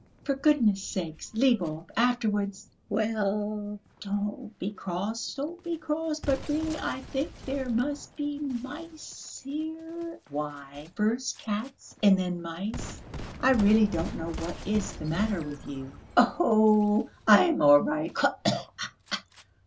"For goodness' sake, leave off; afterwards...." "Well, don't be cross, don't be cross; but really I think there must be mice here." "Why, first cats and then mice, I really don't know what is the matter with you." "Oh, I am all right